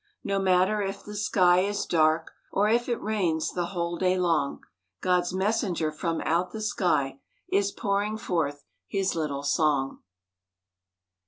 No matter if the sky is dark, Or if it rains the whole day long, God's messenger from out the sky Is pouring forth his little song.